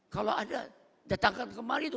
kalau ada datangkan kemari tuh